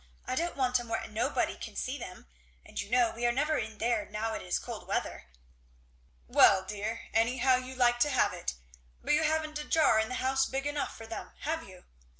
I don't want 'em where nobody can see them, and you know we are never in there now it is cold weather." "Well, dear! anyhow you like to have it. But you ha'n't a jar in the house big enough for them, have you?"